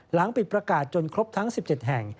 หลังปิดประกาศจนครบทั้ง๑๗แห่ง